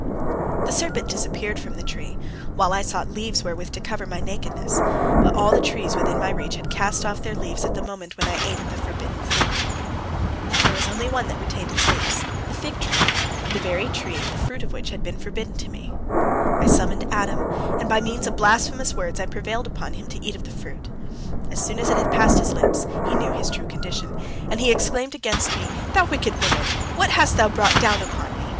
The serpent disappeared from the tree, while I sought leaves wherewith to cover my nakedness, but all the trees within my reach had cast off their leaves at the moment when I ate of the forbidden fruit. There was only one that retained its leaves, the fig tree, the very tree the fruit of which had been forbidden to me. I summoned Adam, and by means of blasphemous words I prevailed upon him to eat of the fruit. As soon as it had passed his lips, he knew his true condition, and he exclaimed against me: "Thou wicked woman, what bast thou brought down upon me?